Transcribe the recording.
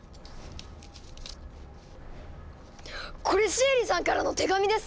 これシエリさんからの手紙ですよ！